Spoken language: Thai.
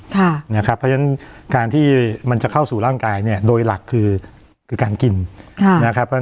เพราะฉะนั้นการที่มันจะเข้าสู่ร่างกายโดยหลักคือการกิน